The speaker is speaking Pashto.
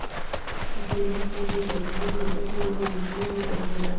په دې وخت کې د جادوګر له ګوتې یوه ګوتمۍ وغورځیده.